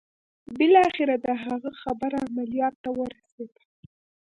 بالاخره د هغه خبره عمليات ته ورسېده.